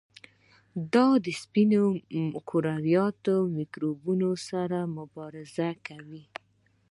دا سپین کرویات له میکروبونو سره مبارزه کوي.